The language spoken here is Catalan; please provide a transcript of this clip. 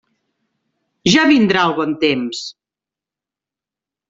Ja vindrà el bon temps.